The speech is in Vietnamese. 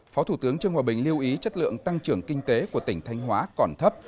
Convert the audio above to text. phó thủ tướng trương hòa bình lưu ý chất lượng tăng trưởng kinh tế của tỉnh thanh hóa còn thấp